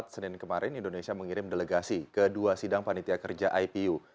senin kemarin indonesia mengirim delegasi ke dua sidang panitia kerja ipu